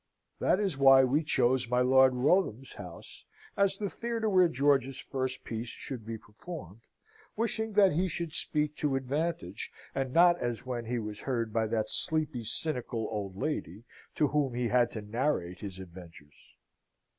That is why we chose my Lord Wrotham's house as the theatre where George's first piece should be performed, wishing that he should speak to advantage, and not as when he was heard by that sleepy, cynical old lady, to whom he had to narrate his adventures.